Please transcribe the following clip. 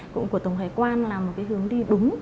cũng của tổng hải quan là một cái hướng đi đúng